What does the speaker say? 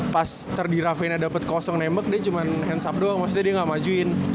pas terdirafinnya dapet kosong nembak dia cuma hands up doang maksudnya dia gak majuin